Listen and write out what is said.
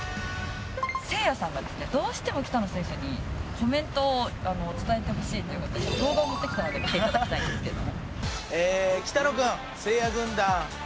せいやさんがですねどうしても北野選手にコメントを伝えてほしいという事で動画を持ってきたので見て頂きたいんですけれども。